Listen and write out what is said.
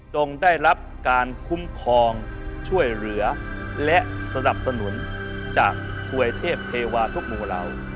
จงได้รับการคุ้มครองช่วยเหลือและสนับสนุนจากถวยเทพเทวาทุกหมู่เหล่า